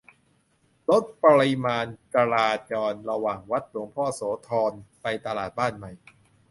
ลดปริมาณจราจรระหว่าง วัดหลวงพ่อโสธร ไปตลาดบ้านใหม่